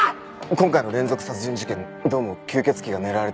今回の連続殺人事件どうも吸血鬼が狙われてるらしいんだ。